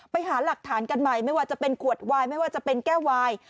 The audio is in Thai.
ไปหาหลักฐานกันใหม่ไม่ว่าจะเป็นขวดวายไม่ว่าจะเป็นแก้ววาย